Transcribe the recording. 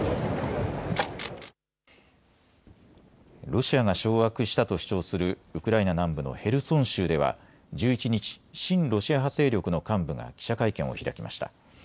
ロシアが掌握したと主張するウクライナ南部のヘルソン州では１１日、親ロシア派勢力の幹部が記者会見を開きました。